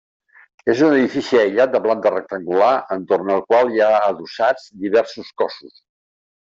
És un edifici aïllat de planta rectangular entorn el qual hi ha adossats diversos cossos.